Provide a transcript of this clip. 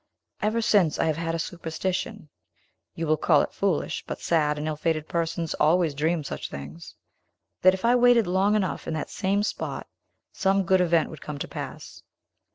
Ever since, I have had a superstition, you will call it foolish, but sad and ill fated persons always dream such things, that, if I waited long enough in that same spot, some good event would come to pass.